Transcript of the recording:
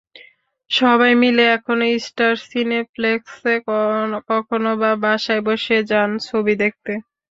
সবাই মিলে কখনো স্টার সিনেপ্লেক্স, কখনোবা বাসায় বসে যান ছবি দেখতে।